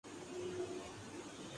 تو اکیلے میں، سامنے آنسو نہ بہائے۔